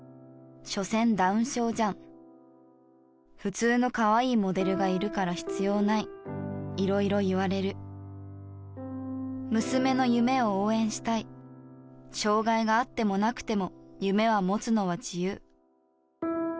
「所詮ダウン症じゃん普通の可愛いモデルがいるから必要ないいろいろ言われる」「娘の夢を応援したい」「障がいがあってもなくても夢は持つのは自由」